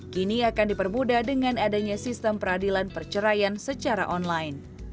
kini akan dipermudah dengan adanya sistem peradilan perceraian secara online